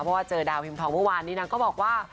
เพราะว่าเจอดาวพิมพ์ทองเมื่อวานนี้นางก็บอกว่า